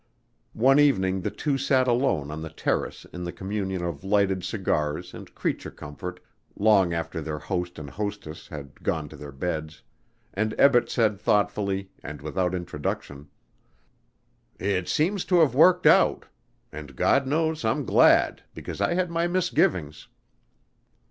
One evening the two sat alone on the terrace in the communion of lighted cigars and creature comfort long after their host and hostess had gone to their beds, and Ebbett said thoughtfully, and without introduction: "It seems to have worked out. And God knows I'm glad, because I had my misgivings."